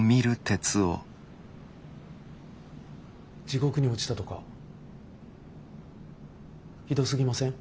地獄に落ちたとかひどすぎません？